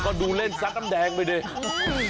ก็ดูเล่นซัดน้ำแดงไปดิ